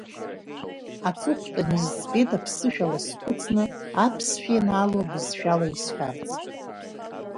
Аҵыхәтәан изӡбеит аԥсышәала схәыцны, аԥсшәа ианаало абызшәала исҳәарц.